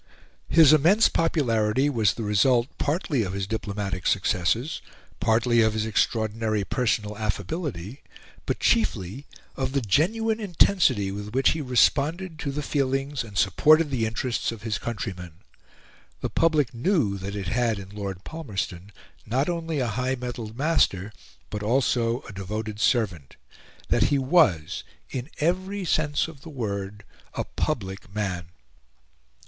His immense popularity was the result partly of his diplomatic successes, partly of his extraordinary personal affability, but chiefly of the genuine intensity with which he responded to the feelings and supported the interests of his countrymen. The public knew that it had in Lord Palmerston not only a high mettled master, but also a devoted servant that he was, in every sense of the word, a public man.